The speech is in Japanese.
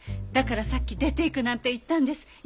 だからさっき出ていくなんて言ったんです。